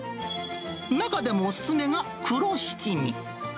中でもお勧めが黒七味。